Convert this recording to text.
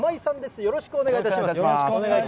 よろしくお願いします。